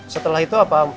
setelah itu apa